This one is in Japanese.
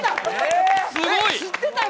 すごい！